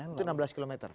itu enam belas km